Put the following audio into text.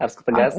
harus ketegasan ya